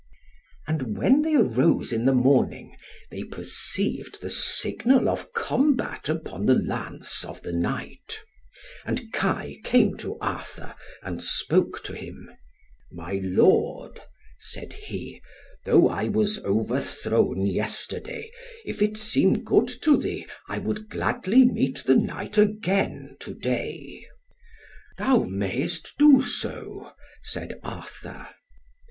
And when they arose in the morning, they perceived the signal of combat upon the lance of the Knight; and Kai came to Arthur, and spoke to him. "My Lord," said he, "though I was overthrown yesterday, if it seem good to thee, I would gladly meet the Knight again to day." "Thou mayst do so," said Arthur.